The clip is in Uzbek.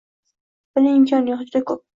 Buning imkoni yoʻq, juda koʻp.